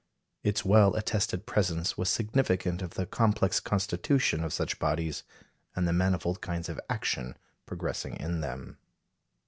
Its well attested presence was significant of the complex constitution of such bodies, and the manifold kinds of action progressing in them.